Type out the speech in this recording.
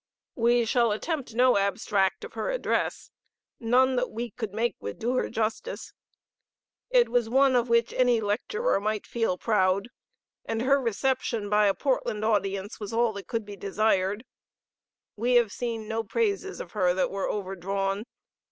We shall attempt no abstract of her address; none that we could make would do her justice. It was one of which any lecturer might feel proud, and her reception by a Portland audience was all that could be desired. We have seen no praises of her that were overdrawn.